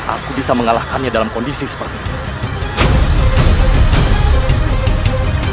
aku bisa mengalahkannya dalam kondisi seperti ini